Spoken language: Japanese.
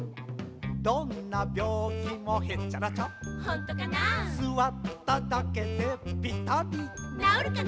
どんなびょうきもへっちゃらちゃほんとかなすわっただけでぴたりなおるかな